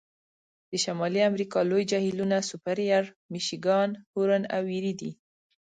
د شمالي امریکا لوی جهیلونه سوپریر، میشیګان، هورن او ایري دي.